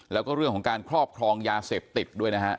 แล้วก็เรื่องของการครอบครองยาเสพติดด้วยนะฮะ